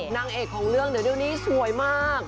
นางเอกของเรื่องเดี๋ยวนี้สวยมาก